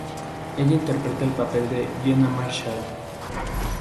Ella interpreta el papel de Jenna Marshall.